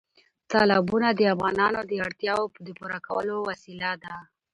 تالابونه د افغانانو د اړتیاوو د پوره کولو وسیله ده.